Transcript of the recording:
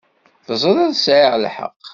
Teẓriḍ sεiɣ lḥeqq.